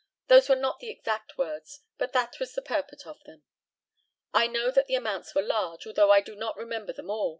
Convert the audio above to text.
Those were not the exact words, but that was the purport of them. I know that the amounts were large, although I do not remember them all.